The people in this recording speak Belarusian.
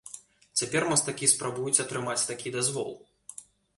Цяпер мастакі спрабуюць атрымаць такі дазвол.